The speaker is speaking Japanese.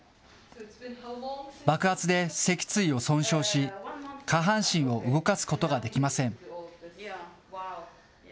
爆発で脊椎を損傷し、下半身を動かすことができません。